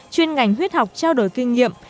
chuyên ngành huyết học trao đổi kinh nghiệm